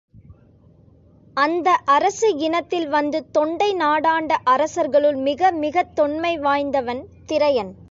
அந்த அரச இனத்தில் வந்து தொண்டை நாடாண்ட அரசர்களுள் மிகமிகத் தொன்மை வாய்ந்தவன் திரையன்.